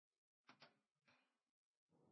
Era música tenebrosa de iglesia".